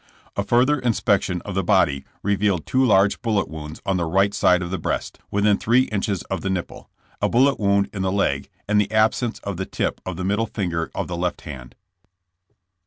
A further inspection of the body revealed two large bullet wounds on the right side of the breast, within three inches of the nipple, a bullet wound in the leg and the absence of the tip of the middle finger of the left hand.